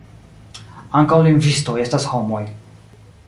Ankaŭ lingvistoj estas homoj.